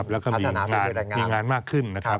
แล้วก็มีงานมากขึ้น